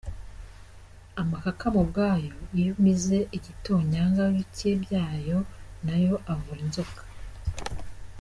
Amakakama ubwayo iyo umize ibitonyanga bike byayo nayo avura inzoka.